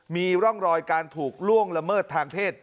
มีร่องรอยการถูกล่วงละเมิดทางเพศ